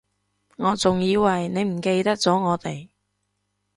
我仲以為你唔記得咗我哋